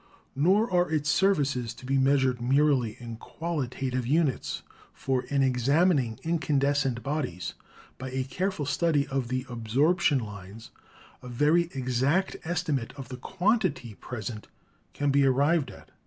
Nor are its services to be measured merely in qualitative units, for, in examining incandescent bodies, by a careful study of the absorption lines a very exact estimate of the 'quantity' present can be arrived at.